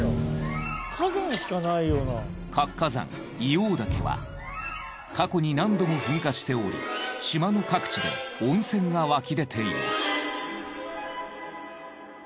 活火山硫黄岳は過去に何度も噴火しており島の各地で温泉が湧き出ている。